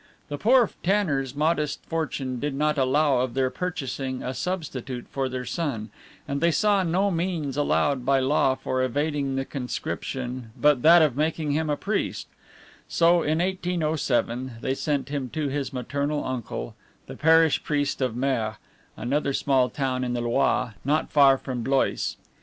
The poor tanner's modest fortune did not allow of their purchasing a substitute for their son, and they saw no means allowed by law for evading the conscription but that of making him a priest; so, in 1807, they sent him to his maternal uncle, the parish priest of Mer, another small town on the Loire, not far from Blois.